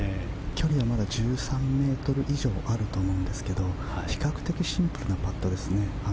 距離はまだ１３ｍ以上あると思うんですけど比較的シンプルなパットです。